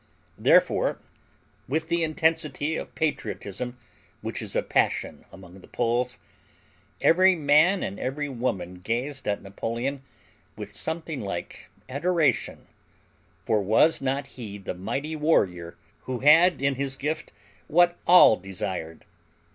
Therefore, with the intensity of patriotism which is a passion among the Poles, every man and every woman gazed at Napoleon with something like adoration; for was not he the mighty warrior who had in his gift what all desired?